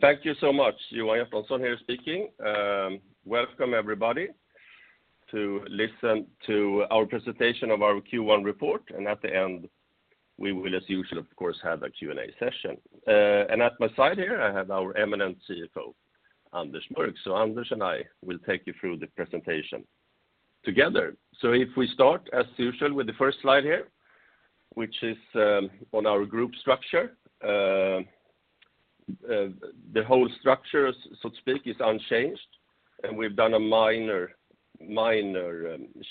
Thank you so much. Johan Hjertonsson here speaking. Welcome everybody to listen to our presentation of our Q1 report, and at the end, we will, as usual, of course, have a Q&A session. At my side here, I have our eminent CFO, Anders Mörck. Anders and I will take you through the presentation together. If we start as usual with the first slide here, which is on our group structure, the whole structure, so to speak, is unchanged, and we've done a minor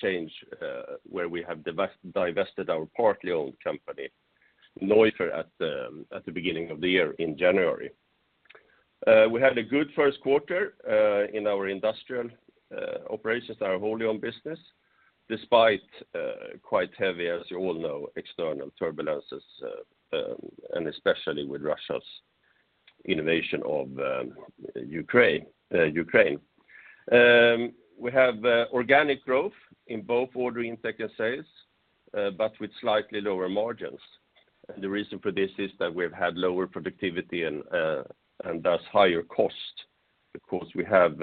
change where we have divested our partly owned company, Neuffer Fenster + Türen GmbH, at the beginning of the year in January. We had a good first quarter in our industrial operations, our wholly owned business, despite quite heavy, as you all know, external turbulences, and especially with Russia's invasion of Ukraine. We have organic growth in both order intake and sales, but with slightly lower margins. The reason for this is that we've had lower productivity and thus higher cost because we have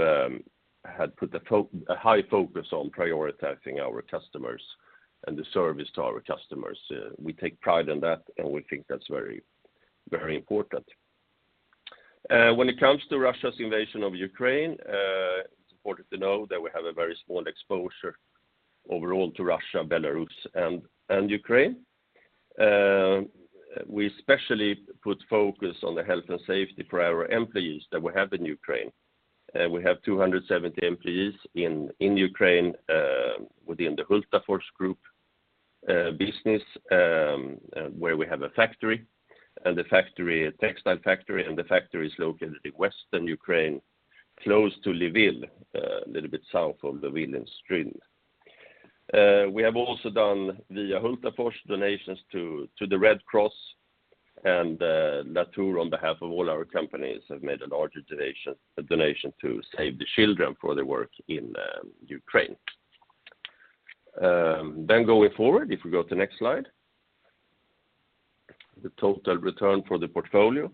had put a high focus on prioritizing our customers and the service to our customers. We take pride in that, and we think that's very, very important. When it comes to Russia's invasion of Ukraine, it's important to know that we have a very small exposure overall to Russia, Belarus, and Ukraine. We especially put focus on the health and safety for our employees that we have in Ukraine. We have 270 employees in Ukraine, within the Hultafors Group business, where we have a factory, a textile factory, located in Western Ukraine, close to Lviv, little bit south of Lviv and Stryi. We have also done via Hultafors donations to the Red Cross and Latour, on behalf of all our companies, have made a large donation to Save the Children for their work in Ukraine. Going forward, if we go to next slide, the total return for the portfolio.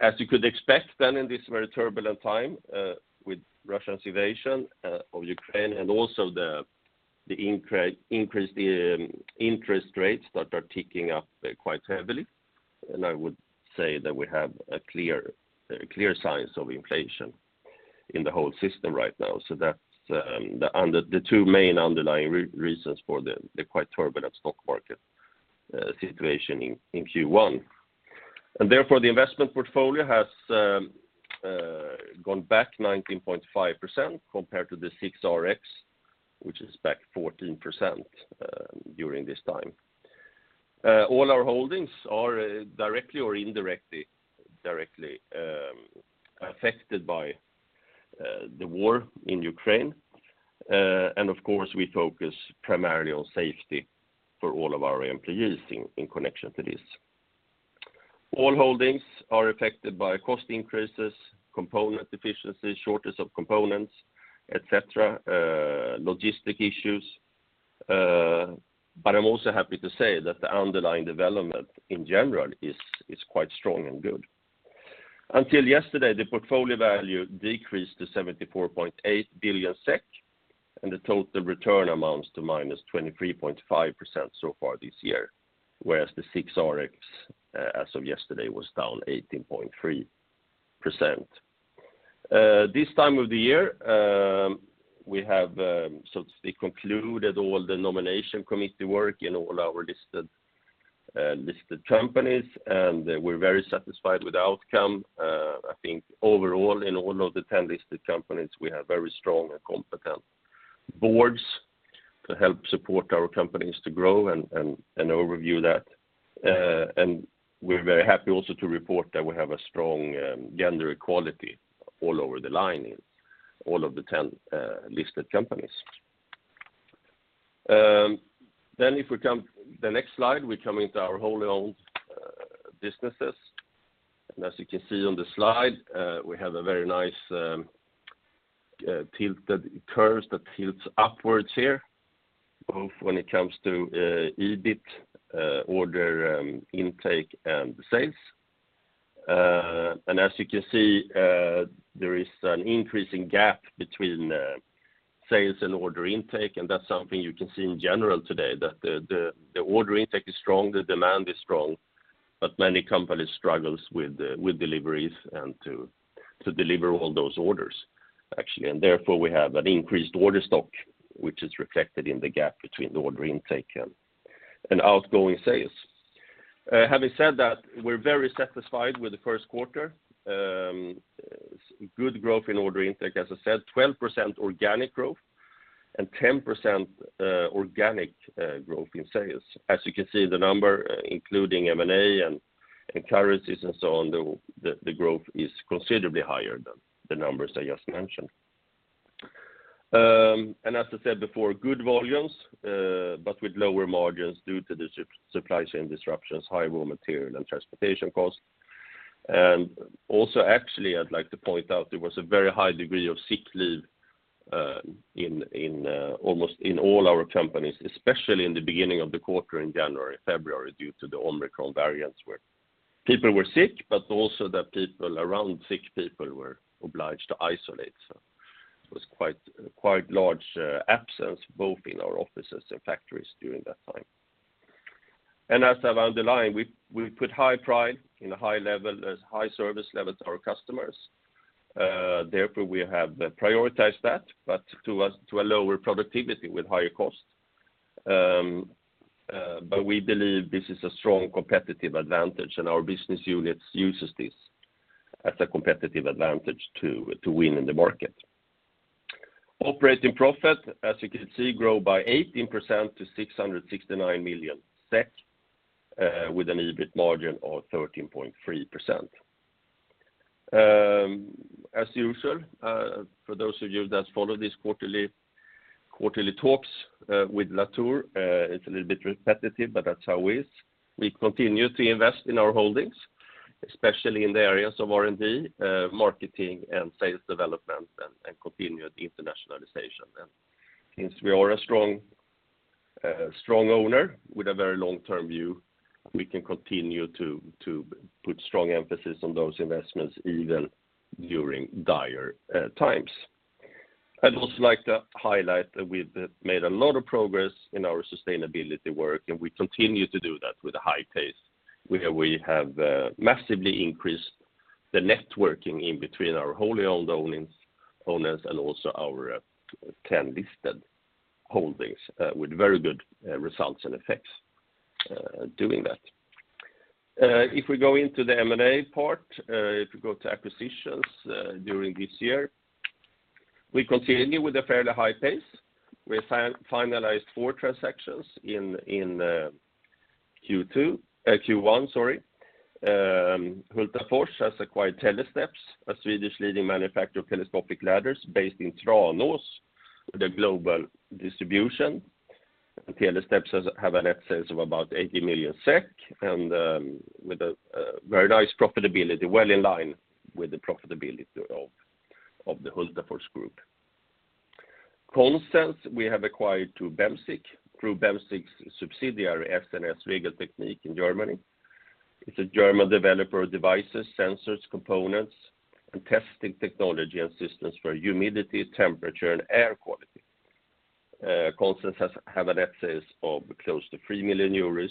As you could expect then in this very turbulent time, with Russia's invasion of Ukraine and also the increase in interest rates that are ticking up quite heavily, and I would say that we have clear signs of inflation in the whole system right now. That's the two main underlying reasons for the quite turbulent stock market situation in Q1. Therefore, the investment portfolio has gone back 19.5% compared to the SIXRX, which is back 14% during this time. All our holdings are directly or indirectly affected by the war in Ukraine, and of course, we focus primarily on safety for all of our employees in connection to this. All holdings are affected by cost increases, component deficiencies, shortage of components, etc., logistics issues, but I'm also happy to say that the underlying development in general is quite strong and good. Until yesterday, the portfolio value decreased to 74.8 billion SEK, and the total return amounts to -23.5% so far this year, whereas the SIXRX as of yesterday was down 18.3%. This time of the year, we have so to speak concluded all the nomination committee work in all our listed companies, and we're very satisfied with the outcome. I think overall in all of the 10 listed companies, we have very strong and competent boards to help support our companies to grow and oversee that. We're very happy also to report that we have a strong gender equality all over the line in all of the 10 listed companies. If we come to the next slide, we come into our wholly owned businesses. As you can see on the slide, we have a very nice tilt that tilts upwards here, both when it comes to EBITDA, order intake, and sales. As you can see, there is an increasing gap between sales and order intake, and that's something you can see in general today, that the order intake is strong, the demand is strong, but many companies struggles with deliveries and to deliver all those orders, actually. Therefore, we have an increased order stock, which is reflected in the gap between the order intake and outgoing sales. Having said that, we're very satisfied with the first quarter. Good growth in order intake, as I said, 12% organic growth and 10% organic growth in sales. As you can see, the number including M&A and currencies and so on, the growth is considerably higher than the numbers I just mentioned. As I said before, good volumes but with lower margins due to the supply chain disruptions, high raw material and transportation costs. Actually, I'd like to point out there was a very high degree of sick leave in almost all our companies, especially in the beginning of the quarter in January, February, due to the Omicron variants where people were sick, but also the people around sick people were obliged to isolate. It was quite large absence both in our offices and factories during that time. As I've underlined, we put high pride in a high level, as high service level to our customers. Therefore, we have prioritized that, but to a lower productivity with higher costs. But we believe this is a strong competitive advantage, and our business units uses this as a competitive advantage to win in the market. Operating profit, as you can see, grow by 18% to 669 million SEK, with an EBITDA margin of 13.3%. As usual, for those of you that follow these quarterly talks with Latour, it's a little bit repetitive, but that's how it is. We continue to invest in our holdings, especially in the areas of R&D, marketing and sales development and continued internationalization. Since we are a strong owner with a very long-term view, we can continue to put strong emphasis on those investments even during dire times. I'd also like to highlight that we've made a lot of progress in our sustainability work, and we continue to do that with a high pace, where we have massively increased the networking in between our wholly-owned holdings and also our listed holdings with very good results and effects doing that. If we go into the M&A part, if you go to acquisitions, during this year, we continue with a fairly high pace. We finalized four transactions in Q1. Hultafors has acquired Telesteps, a Swedish leading manufacturer of telescopic ladders based in Tranås with a global distribution. Telesteps has net sales of about 80 million SEK, and with a very nice profitability, well in line with the profitability of the Hultafors Group. Consens, we have acquired by Bemsiq through Bemsiq's subsidiary, S+S Regeltechnik in Germany. It's a German developer of devices, sensors, components, and testing technology and systems for humidity, temperature, and air quality. Consens has net sales of close to 3 million euros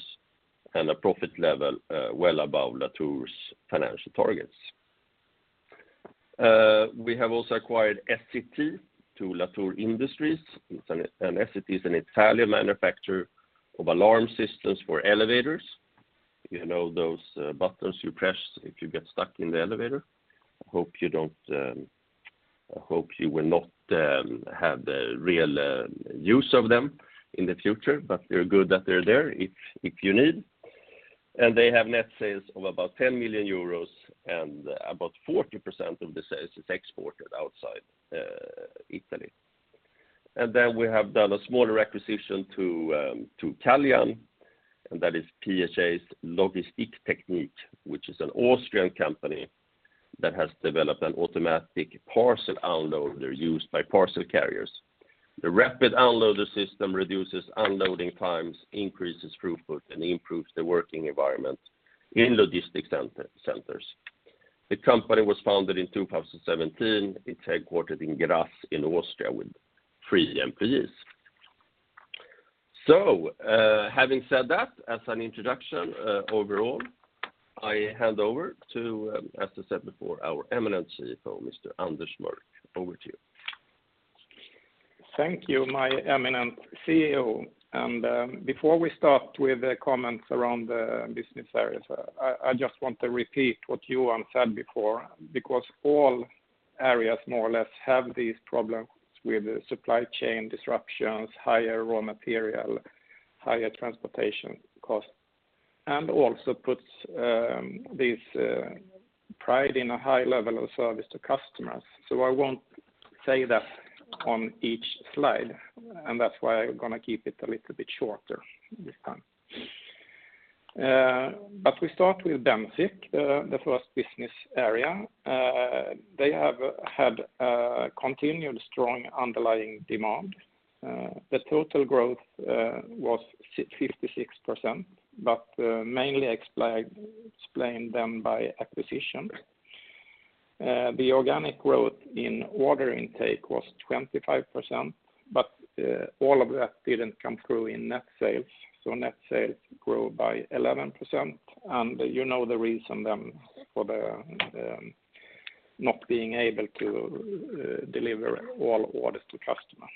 and a profit level well above Latour's financial targets. We have also acquired Esse-Ti by Latour Industries. Esse-Ti is an Italian manufacturer of alarm systems for elevators. You know those buttons you press if you get stuck in the elevator? I hope you don't have the real use of them in the future, but they're good that they're there if you need. They have net sales of about 10 million euros and about 40% of the sales is exported outside Italy. We have done a smaller acquisition to Caljan, and that is PHS Logistiktechnik, which is an Austrian company that has developed an automatic parcel unloader used by parcel carriers. The rapid unloader system reduces unloading times, increases throughput, and improves the working environment in logistics centers. The company was founded in 2017. It's headquartered in Graz in Austria with three employees. Having said that, as an introduction, overall, I hand over to, as I said before, our eminent CFO, Mr. Anders Mörck. Over to you. Thank you, my eminent CEO. Before we start with the comments around the business areas, I just want to repeat what Johan said before, because all areas more or less have these problems with supply chain disruptions, higher raw material, higher transportation costs, and also this pride in a high level of service to customers. I won't say that on each slide, and that's why I'm gonna keep it a little bit shorter this time. We start with Bemsiq, the first business area. They have had a continued strong underlying demand. The total growth was 56%, but mainly explained then by acquisition. The organic growth in order intake was 25%, but all of that didn't come through in net sales. Net sales grew by 11%. You know the reason then for the not being able to deliver all orders to customers.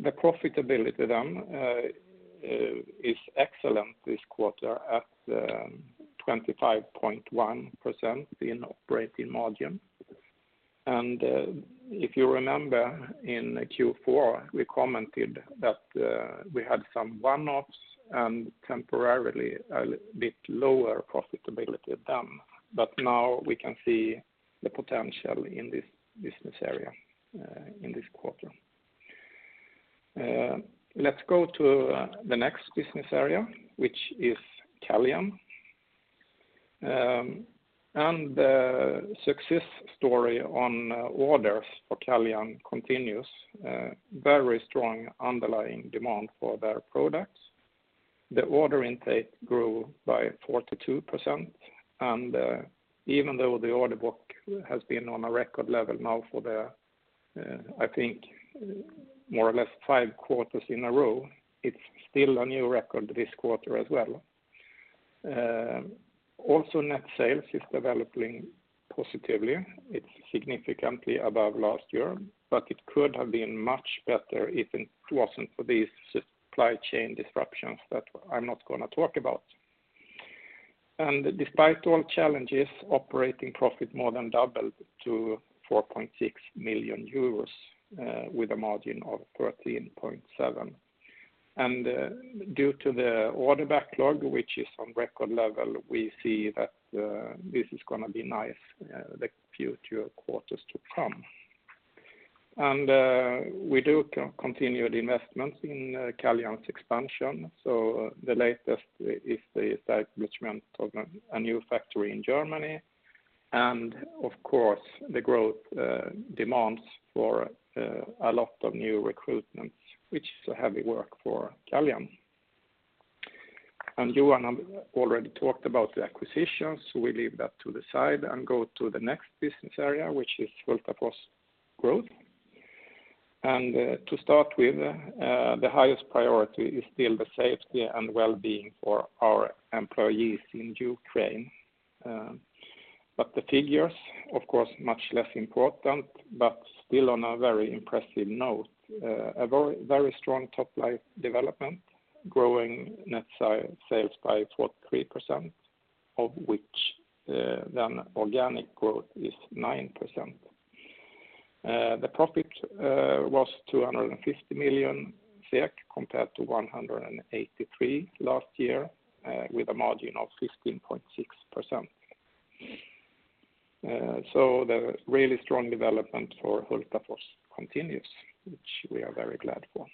The profitability then is excellent this quarter at 25.1% in operating margin. If you remember in Q4, we commented that we had some one-offs and temporarily a bit lower profitability than but now we can see the potential in this business area in this quarter. Let's go to the next business area, which is Caljan. The success story on orders for Caljan continues, very strong underlying demand for their products. The order intake grew by 42%. Even though the order book has been on a record level now for the I think more or less five quarters in a row, it's still a new record this quarter as well. Net sales is developing positively. It's significantly above last year, but it could have been much better if it wasn't for these supply chain disruptions that I'm not gonna talk about. Despite all challenges, operating profit more than doubled to 4.6 million euros, with a margin of 13.7%. Due to the order backlog, which is at record level, we see that this is gonna be nice for the future quarters to come. We continue the investments in Caljan's expansion. The latest is the establishment of a new factory in Germany. Of course, the growth demands a lot of new recruitments, which is a heavy work for Caljan. Johan already talked about the acquisitions. We leave that to the side and go to the next business area, which is Hultafors Group. To start with, the highest priority is still the safety and well-being for our employees in Ukraine. But the figures, of course, much less important, but still on a very impressive note. A very, very strong top line development, growing net sales by 43%, of which then organic growth is 9%. The profit was 250 million SEK compared to 183 last year, with a margin of 15.6%. The really strong development for Hultafors continues, which we are very glad for.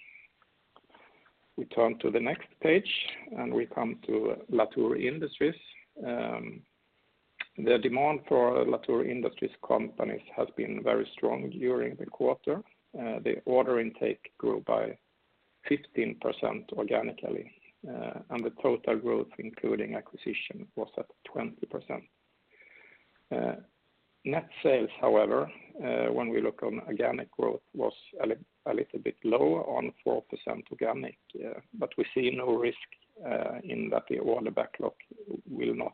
We turn to the next page, and we come to Latour Industries. The demand for Latour Industries companies has been very strong during the quarter. The order intake grew by 15% organically, and the total growth, including acquisition, was at 20%. Net sales, however, when we look on organic growth, was a little bit lower on 4% organic. But we see no risk in that the order backlog will not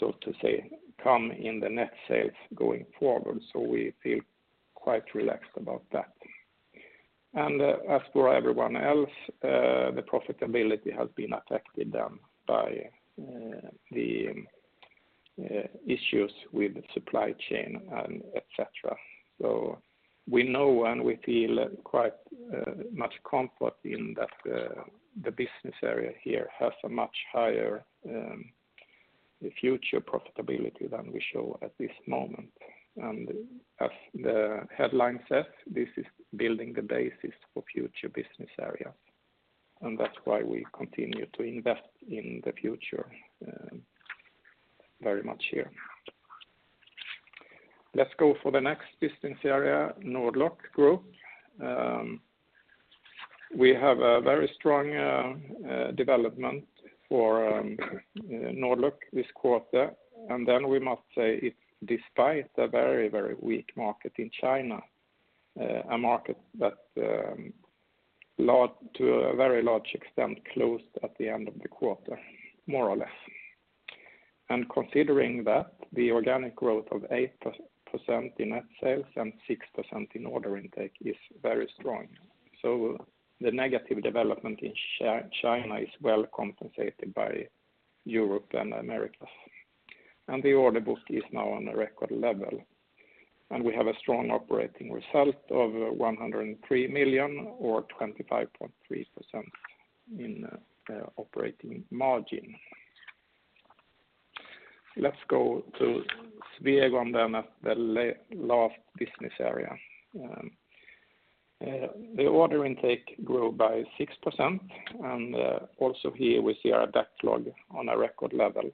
so to say come in the net sales going forward. We feel quite relaxed about that. As for everyone else, the profitability has been affected by the issues with supply chain and et cetera. We know and we feel quite much comfort in that the business area here has a much higher future profitability than we show at this moment. As the headline says, this is building the basis for future business area. That's why we continue to invest in the future, very much here. Let's go for the next business area, Nord-Lock Group. We have a very strong development for Nord-Lock this quarter. We must say it's despite a very, very weak market in China, a market that to a very large extent closed at the end of the quarter, more or less. Considering that, the organic growth of 8% in net sales and 6% in order intake is very strong. The negative development in China is well compensated by Europe and Americas. The order book is now on a record level. We have a strong operating result of 103 million or 25.3% in operating margin. Let's go to Swegon then at the last business area. The order intake grew by 6%, and also here we see our backlog on a record level.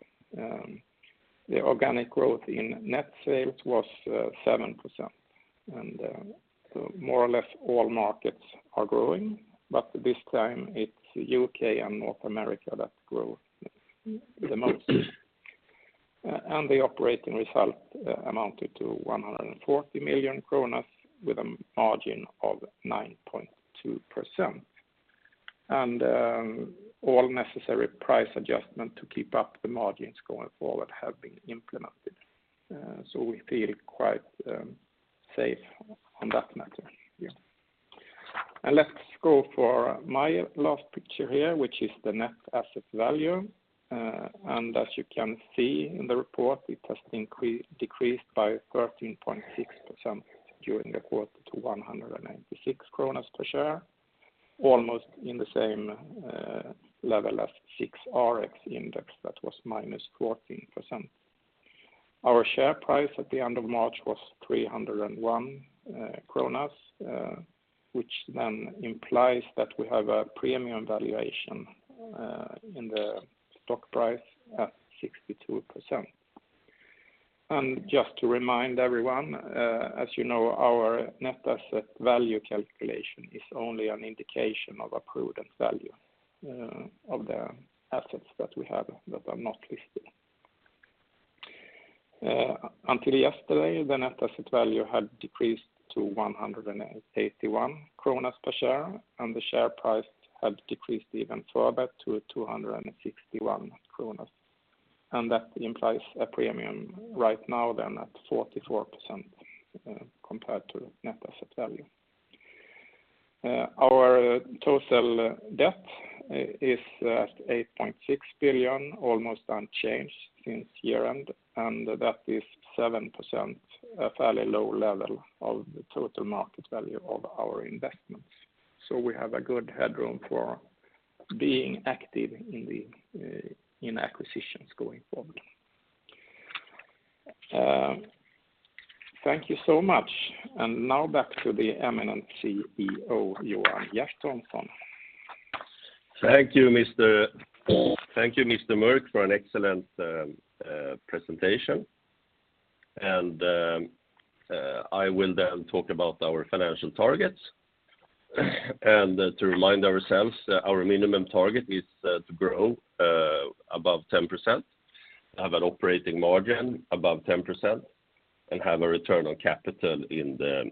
The organic growth in net sales was 7%. More or less all markets are growing, but this time it's U.K. and North America that grew the most. The operating result amounted to 140 million kronor with a margin of 9.2%. All necessary price adjustment to keep up the margins going forward have been implemented. We feel quite safe on that matter, yeah. Let's go for my last picture here, which is the net asset value. As you can see in the report, it has decreased by 13.6% during the quarter to 196 kronor per share, almost in the same level as SIXRX index that was -14%. Our share price at the end of March was 301 kronor, which then implies that we have a premium valuation in the stock price at 62%. Just to remind everyone, as you know, our net asset value calculation is only an indication of a prudent value of the assets that we have that are not listed. Until yesterday, the net asset value had decreased to 181 kronor per share, and the share price had decreased even further to 261 kronor. That implies a premium right now than at 44%, compared to net asset value. Our total debt is at 8.6 billion, almost unchanged since year-end, and that is 7%, a fairly low level of the total market value of our investments. We have a good headroom for being active in acquisitions going forward. Thank you so much. Now back to the eminent CEO, Johan Hjertonsson. Thank you, Mr. Mörck, for an excellent presentation. I will then talk about our financial targets. To remind ourselves, our minimum target is to grow above 10%, have an operating margin above 10%, and have a return on capital within the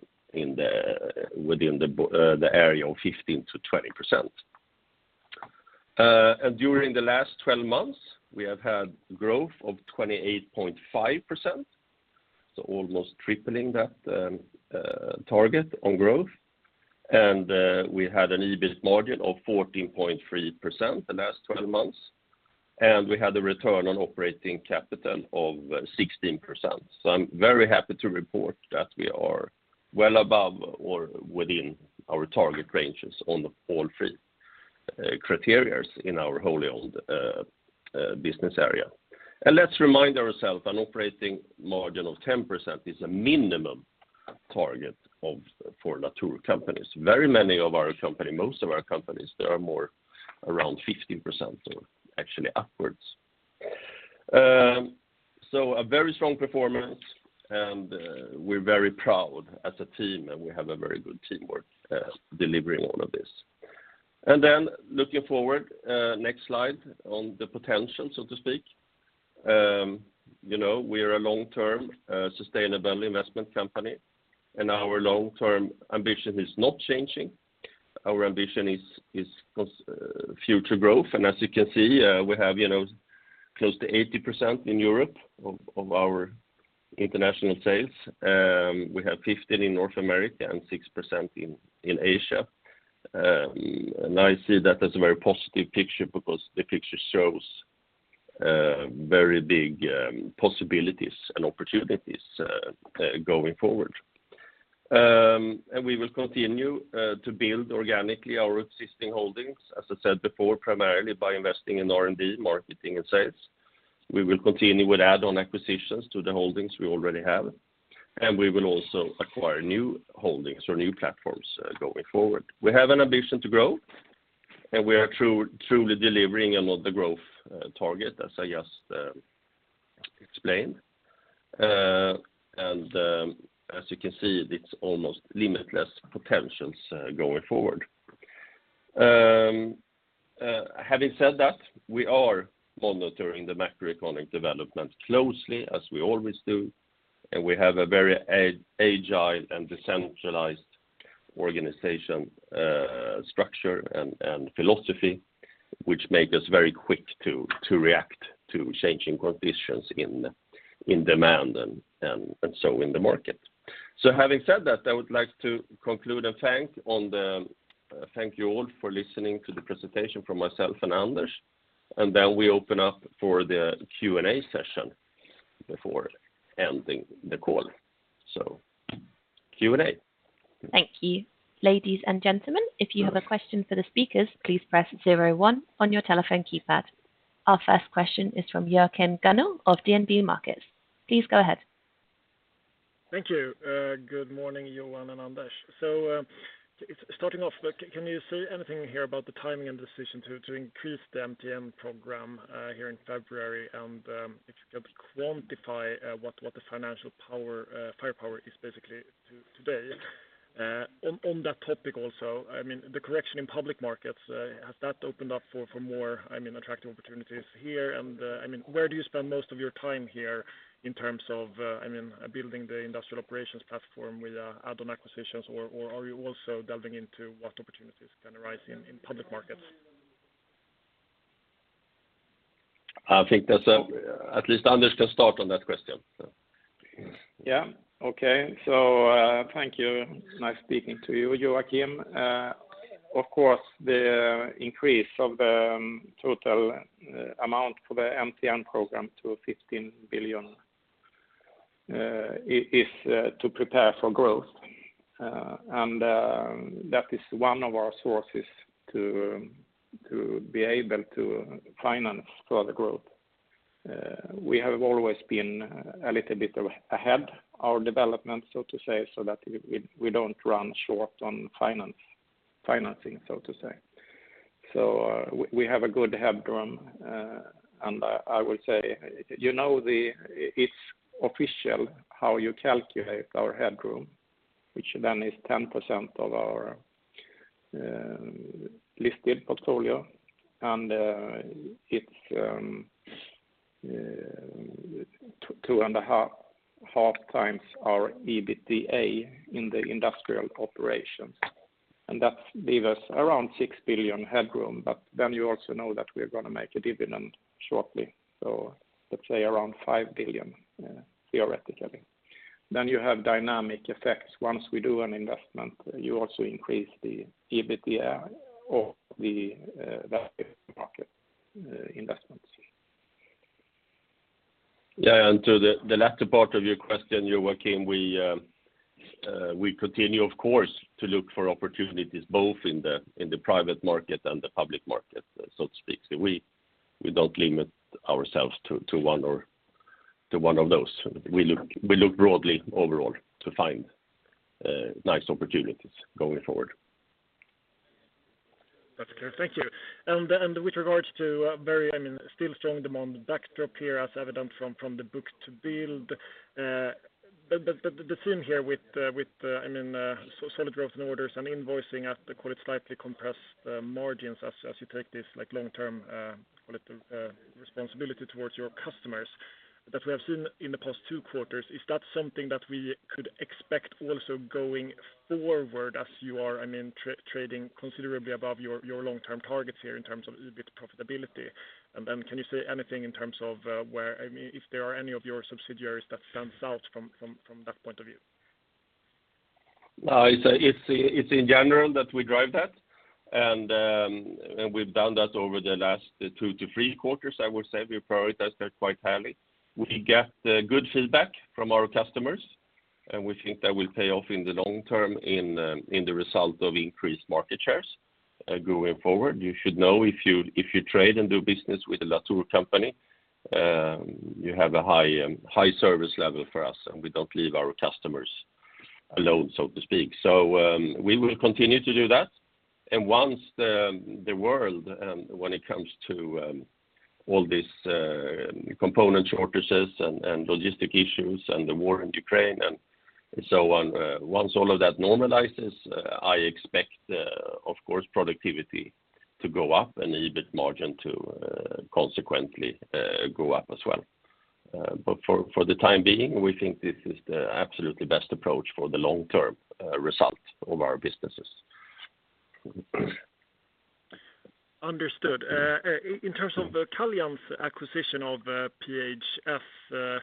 area of 15%-20%. During the last twelve months, we have had growth of 28.5%, so almost tripling that target on growth. We had an EBITDA margin of 14.3% the last twelve months, and we had a return on operating capital of 16%. I'm very happy to report that we are well above or within our target ranges on all three criteria in our wholly owned business area. Let's remind ourselves, an operating margin of 10% is a minimum target for Latour companies. Very many of our companies, most of our companies, they are more around 15% or actually upwards. So a very strong performance, and we're very proud as a team, and we have a very good teamwork delivering all of this. Looking forward, next slide on the potential, so to speak. You know, we are a long-term sustainable investment company, and our long-term ambition is not changing. Our ambition is future growth. As you can see, we have, you know, close to 80% in Europe of our international sales. We have 15% in North America and 6% in Asia. I see that as a very positive picture because the picture shows very big possibilities and opportunities going forward. We will continue to build organically our existing holdings, as I said before, primarily by investing in R&D, marketing, and sales. We will continue with add-on acquisitions to the holdings we already have, and we will also acquire new holdings or new platforms going forward. We have an ambition to grow, and we are truly delivering on the growth target, as I just explained. As you can see, it's almost limitless potentials going forward. Having said that, we are monitoring the macroeconomic development closely as we always do, and we have a very agile and decentralized organization structure and so in the market. Having said that, I would like to conclude and thank you all for listening to the presentation from myself and Anders, and then we open up for the Q&A session before ending the call. Q&A. Thank you. Ladies and gentlemen, if you have a question for the speakers, please press zero-one on your telephone keypad. Our first question is from Joachim Gunell of DNB Markets. Please go ahead. Thank you. Good morning, Johan and Anders. Starting off, can you say anything here about the timing and decision to increase the MTN program here in February? If you can quantify what the financial firepower is basically to today. On that topic also, I mean, the correction in public markets has that opened up for more, I mean, attractive opportunities here? I mean, where do you spend most of your time here in terms of, I mean, building the industrial operations platform with add-on acquisitions or are you also delving into what opportunities can arise in public markets? I think that's. At least Anders can start on that question. Yeah. Okay. Thank you. Nice speaking to you, Joachim. Of course, the increase of the total amount for the MTN program to 15 billion is to prepare for growth. That is one of our sources to be able to finance further growth. We have always been a little bit ahead our development, so to say, so that we don't run short on financing, so to say. We have a good headroom, and I would say, you know, it's official how you calculate our headroom, which then is 10% of our listed portfolio, and it's two and a half times our EBITDA in the industrial operations. That leave us around 6 billion headroom, but you also know that we're gonna make a dividend shortly, so let's say around 5 billion, theoretically. You have dynamic effects. Once we do an investment, you also increase the EBITDA of the value market investments. Yeah, to the latter part of your question, Joachim, we continue of course to look for opportunities both in the private market and the public market, so to speak. We don't limit ourselves to one of those. We look broadly overall to find nice opportunities going forward. That's clear. Thank you. With regards to very, I mean, still strong demand backdrop here as evident from the book-to-bill, the theme here with, I mean, solid growth in orders and invoicing at the, call it, slightly compressed margins as you take this, like, long-term, call it, responsibility towards your customers that we have seen in the past two quarters, is that something that we could expect also going forward as you are, I mean, trading considerably above your long-term targets here in terms of EBITDA profitability? Then can you say anything in terms of where, I mean, if there are any of your subsidiaries that stands out from that point of view? No, it's in general that we drive that, and we've done that over the last 2-3 quarters, I would say. We prioritized that quite highly. We get good feedback from our customers, and we think that will pay off in the long term in the result of increased market shares going forward. You should know if you trade and do business with a Latour company, you have a high service level for us, and we don't leave our customers alone, so to speak. We will continue to do that. Once the world, when it comes to all this component shortages and logistics issues and the war in Ukraine and so on, once all of that normalizes, I expect, of course, productivity to go up and EBIT margin to consequently go up as well. For the time being, we think this is the absolutely best approach for the long-term result of our businesses. Understood. In terms of Caljan's acquisition of PHS.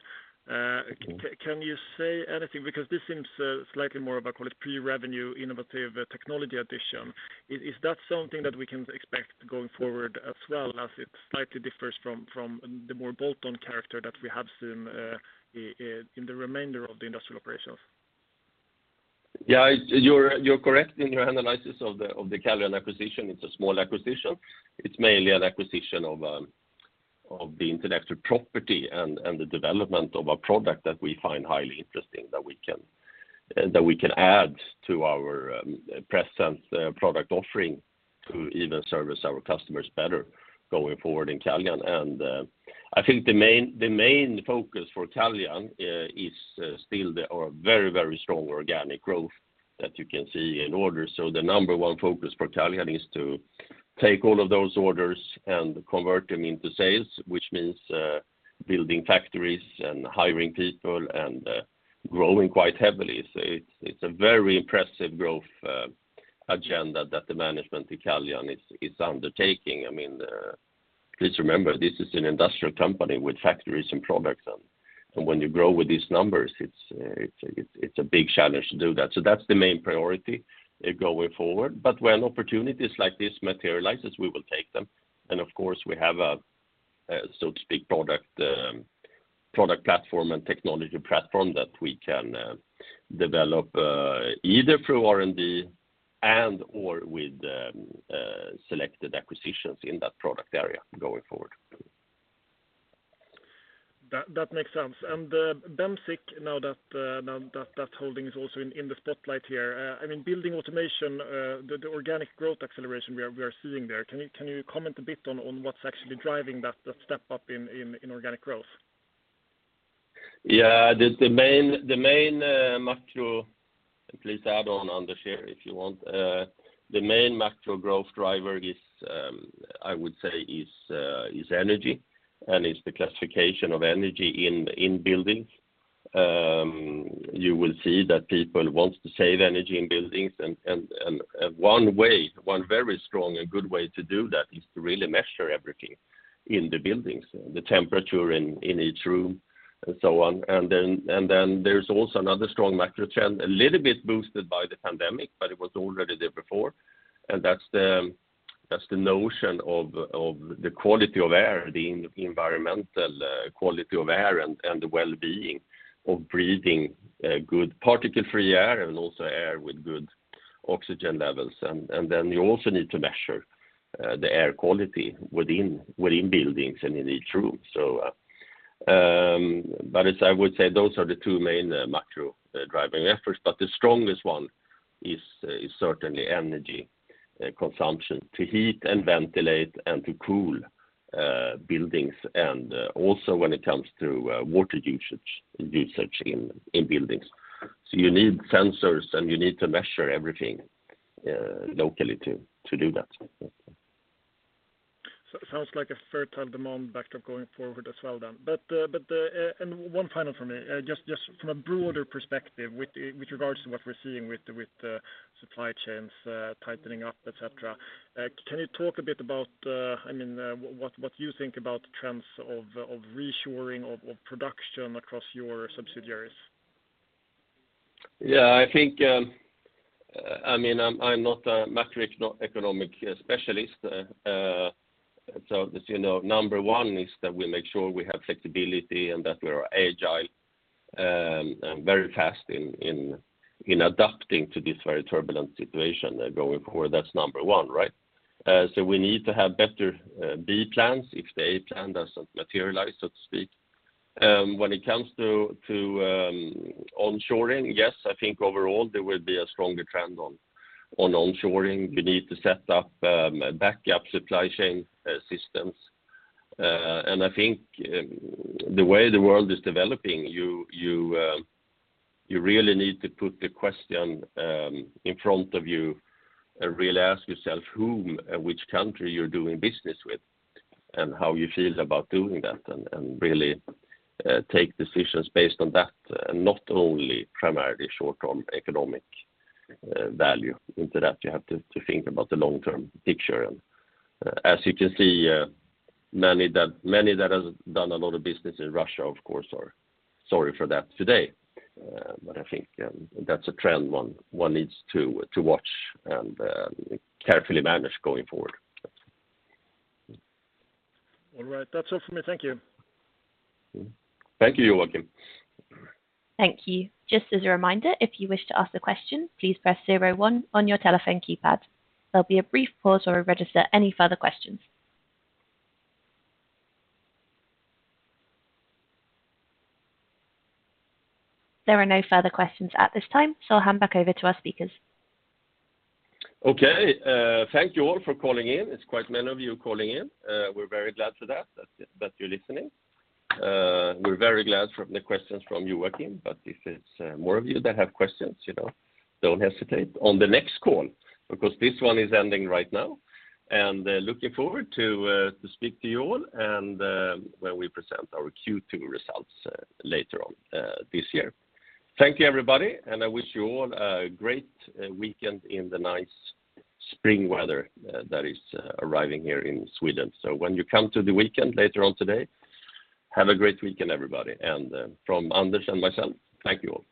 Mm-hmm. Can you say anything? Because this seems slightly more of a, call it, pre-revenue, innovative technology addition. Is that something that we can expect going forward as well as it slightly differs from the more bolt-on character that we have seen in the remainder of the industrial operations? Yeah. You're correct in your analysis of the Caljan acquisition. It's a small acquisition. It's mainly an acquisition of the intellectual property and the development of a product that we find highly interesting that we can add to our present product offering to even service our customers better going forward in Caljan. I think the main focus for Caljan is still our very, very strong organic growth that you can see in orders. The number one focus for Caljan is to take all of those orders and convert them into sales, which means building factories and hiring people and growing quite heavily. It's a very impressive growth agenda that the management of Caljan is undertaking. I mean, please remember, this is an industrial company with factories and products, and when you grow with these numbers, it's a big challenge to do that. That's the main priority going forward. When opportunities like this materializes, we will take them. Of course we have a, so to speak, product platform and technology platform that we can develop either through R&D and/or with selected acquisitions in that product area going forward. That makes sense. Bemsiq, now that holding is also in the spotlight here, I mean, building automation, the organic growth acceleration we are seeing there, can you comment a bit on what's actually driving that step up in organic growth? Yeah. Please add on, Anders, here if you want. The main macro growth driver is energy, and it's the classification of energy in buildings. You will see that people wants to save energy in buildings, and one very strong and good way to do that is to really measure everything in the buildings, the temperature in each room, and so on. Then there's also another strong macro trend, a little bit boosted by the pandemic, but it was already there before, and that's the notion of the quality of air, the environmental quality of air and the well-being of breathing good particle-free air and also air with good oxygen levels. Then you also need to measure the air quality within buildings and in each room. As I would say, those are the two main macro driving efforts. The strongest one is certainly energy consumption to heat and ventilate and to cool buildings and also when it comes to water usage in buildings. You need sensors, and you need to measure everything locally to do that. Sounds like a fertile demand backdrop going forward as well then. One final from me. Just from a broader perspective with regards to what we're seeing with the supply chains tightening up, et cetera. Can you talk a bit about, I mean, what you think about trends of reshoring of production across your subsidiaries? Yeah, I think, I mean, I'm not a macroeconomic specialist. So as you know, number one is that we make sure we have flexibility and that we are agile, and very fast in adapting to this very turbulent situation going forward. That's number one, right? So we need to have better B plans if the A plan doesn't materialize, so to speak. When it comes to onshoring, yes, I think overall there will be a stronger trend on onshoring. We need to set up backup supply chain systems. I think the way the world is developing you really need to put the question in front of you and really ask yourself whom and which country you're doing business with and how you feel about doing that and really take decisions based on that, and not only primarily short-term economic value into that. You have to think about the long-term picture. As you can see, many that has done a lot of business in Russia, of course, are sorry for that today. I think that's a trend one needs to watch and carefully manage going forward. All right. That's all from me. Thank you. Thank you, Joachim. Thank you. Just as a reminder, if you wish to ask a question, please press zero one on your telephone keypad. There'll be a brief pause while we register any further questions. There are no further questions at this time, so I'll hand back over to our speakers. Okay. Thank you all for calling in. It's quite many of you calling in. We're very glad for that you're listening. We're very glad from the questions from Joachim, but if it's more of you that have questions, you know, don't hesitate on the next call, because this one is ending right now. Looking forward to speak to you all and when we present our Q2 results later on this year. Thank you, everybody, and I wish you all a great weekend in the nice spring weather that is arriving here in Sweden. When you come to the weekend later on today, have a great weekend, everybody, and from Anders and myself, thank you all.